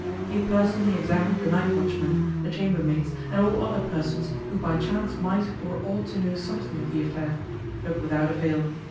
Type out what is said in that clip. He personally examined the night watchman, the chambermaids and all other persons who by chance might or ought to know something of the affair; but without avail.